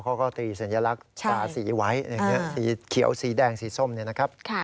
เขาก็ตีสัญลักษณ์ตาสีไว้สีเขียวสีแดงสีส้มเนี่ยนะครับ